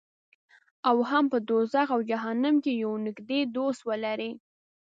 او هم په دوزخ او جهنم کې یو نږدې دوست ولري.